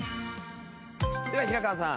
では平川さん。